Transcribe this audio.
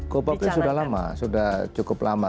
go public sudah lama sudah cukup lama